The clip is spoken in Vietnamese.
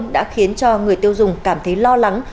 đã khiến cho người tiêu dùng cảm thấy lo lắng